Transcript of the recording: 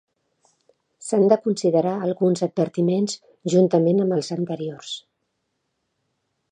S'han de considerar alguns advertiments juntament amb els anteriors.